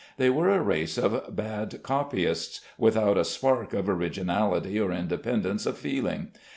They were a race of bad copyists, without a spark of originality or independence of feeling.